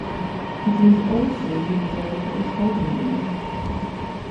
It is also used as a placeholder name.